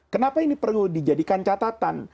kenapa ini perlu dijadikan catatan